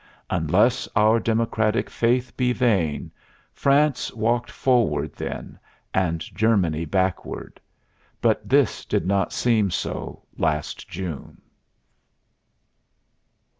Unless our democratic faith be vain, France walked forward then, and Germany backward. But this did not seem so last June.